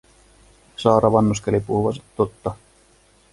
Saara vannoskeli puhuvansa totta.